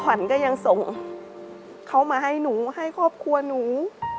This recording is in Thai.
ขวัญก็ยังส่งเขามาให้หนูให้ครอบครัวหนู